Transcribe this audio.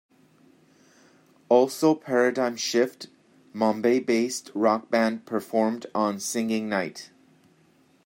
Also Paradigm Shift, Mumbai based rockband performed on singing night.